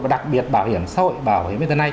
và đặc biệt bảo hiểm xã hội bảo hiểm bệnh nhân này